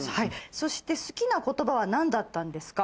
そして「好きな言葉は何だったんですか？」。